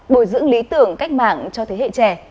bồi dưỡng lý tưởng cách mạng cho thế hệ trẻ